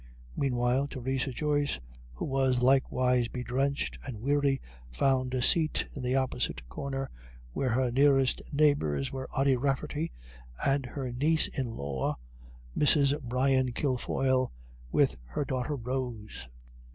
Meanwhile Theresa Joyce, who was likewise bedrenched and weary, found a seat in the opposite corner, where her nearest neighbours were Ody Rafferty, and her niece in law, Mrs. Brian Kilfoyle, with her daughter Rose.